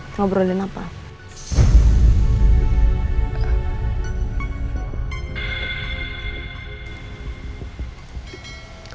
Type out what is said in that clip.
lagi ngobrolin perkembangan ya randy